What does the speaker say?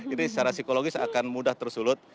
itu secara psikologis akan mudah tersulut